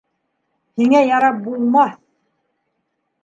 Һиңә ярап булмаҫ!..